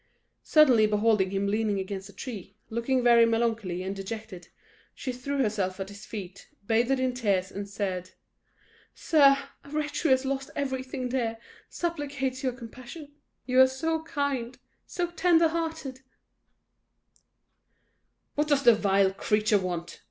Suddenly beholding him leaning against a tree, looking very melancholy and dejected, she threw herself at his feet, bathed in tears, and said "Sir, a wretch who has lost everything dear, supplicates your compassion. You are so kind so tender hearted " "What does the vile creature want!"